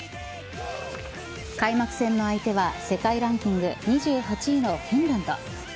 開幕戦の相手は世界ランキング２８位のフィンランド。